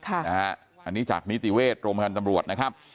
อันนี้จากนิติเวชโรงพยาบาลตำรวจนะครับ